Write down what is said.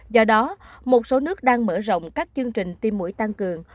do đó một số nước đang mở rộng các chương trình tiêm mũi tăng cường